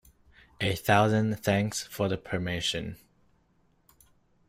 A thousand thanks for the permission.